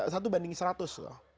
satu banding seratus loh